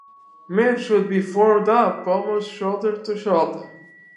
Men should be formed up almost shoulder to shoulder.